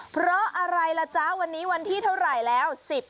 เพราะอะไรล่ะจ๊ะวันนี้วันที่เท่าไหร่แล้ว